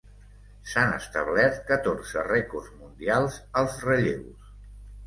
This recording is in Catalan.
S'han establert catorze rècords mundials als relleus.